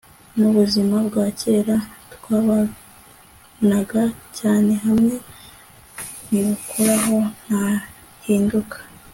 n'ubuzima bwa kera twabanaga cyane hamwe ntibukoraho, ntahinduka